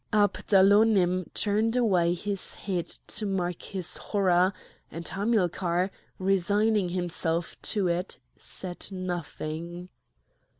Abdalonim turned away his head to mark his horror, and Hamilcar, resigning himself to it, said nothing.